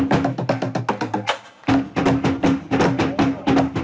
ว่ายุ่งที่๖